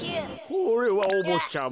これはおぼっちゃま。